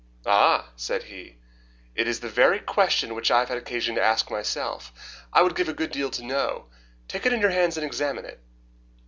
"Ah!" said he, "it is the very question which I have had occasion to ask myself. I would give a good deal to know. Take it in your hands and examine it."